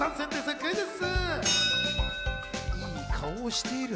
クイズッス！